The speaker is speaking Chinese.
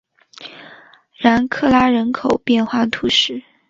然克拉人口变化图示